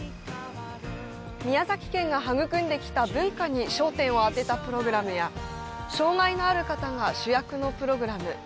宮崎県が育んできた文化に焦点をあてたプログラムや障害のある方が主役のプログラム